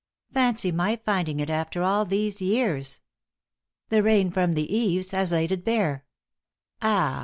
Fancying my finding it after all these years! The rain from the eaves has laid it bare. Ah!